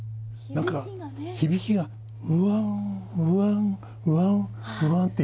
何か響きがうわんうわんうわんうわんって。